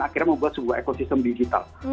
akhirnya membuat sebuah ekosistem digital